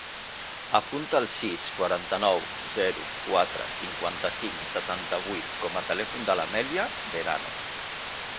Apunta el sis, quaranta-nou, zero, quatre, cinquanta-cinc, setanta-vuit com a telèfon de l'Amèlia Verano.